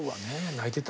泣いてた。